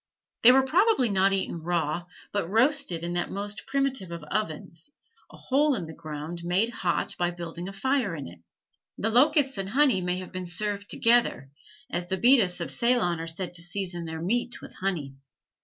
They were probably not eaten raw, but roasted in that most primitive of ovens, a hole in the ground made hot by building a fire in it. The locusts and honey may have been served together, as the Bedas of Ceylon are said to season their meat with honey.